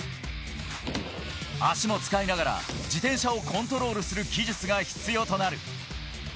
足も使いながら自転車をコントロールする技術が必要となる。